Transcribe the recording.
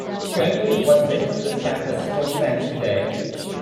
Currently, what's left of this campus still stands today.